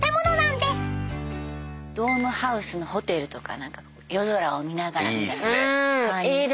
ドームハウスのホテルとか夜空を見ながらみたいな。